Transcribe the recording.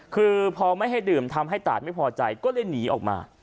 คือพอไม่ให้ดื่มทำให้ตาดไม่พอใจก็เลยหนีออกมา